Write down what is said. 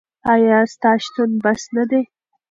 ایا ستا شتون بس نه دی؟